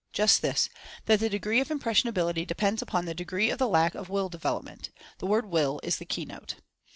Just this — that the degree of "im pressionability" depends upon the degree of the lack of Will Development. The word WILL is the key note!